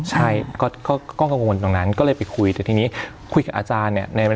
ใช่ก็กังวลตรงนั้นก็เลยไปคุยแต่ทีนี้คุยกับอาจารย์เนี่ย